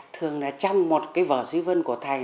thường là trong một cái vở duy vân của thầy